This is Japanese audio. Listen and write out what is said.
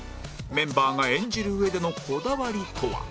メンバーが演じるうえでのこだわりとは？